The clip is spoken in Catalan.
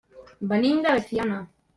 Venim de Veciana.